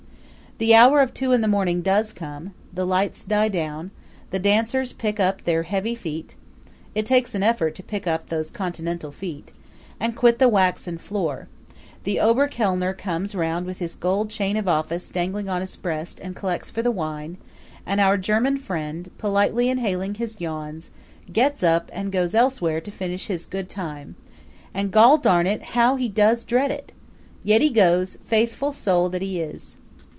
The hour of two in the morning does come; the lights die down; the dancers pick up their heavy feet it takes an effort to pick up those Continental feet and quit the waxen floor; the Oberkellner comes round with his gold chain of office dangling on his breast and collects for the wine, and our German friend, politely inhaling his yawns, gets up and goes elsewhere to finish his good time. And, goldarn it, how he does dread it! Yet he goes, faithful soul that he is.